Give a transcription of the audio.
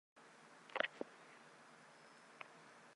本届会外赛在天母网球场进行。